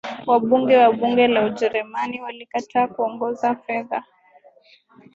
Wabunge wa bunge la Ujerumani walikataa kuongeza fedha